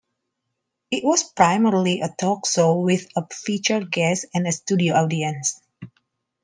It was primarily a talk show with featured guests and a studio audience.